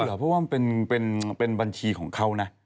เพราะว่ามันเป็นบัญชีของเขานะ